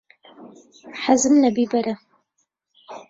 حەزم لە بیبەرە.